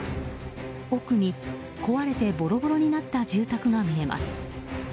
奥に、壊れてボロボロになった住宅が見えます。